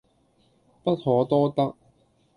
不可多得